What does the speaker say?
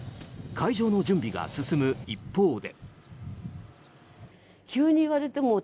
会場の準備が進む一方で。